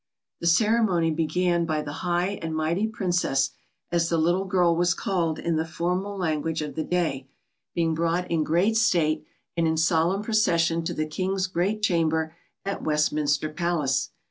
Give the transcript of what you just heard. The ceremony began by the high and mighty Princess, as the little bride was called in the formal language of the day, being brought in great state and in solemn procession to the King's great chamber at Westminster Palace.